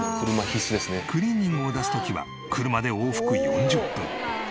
クリーニングを出す時は車で往復４０分。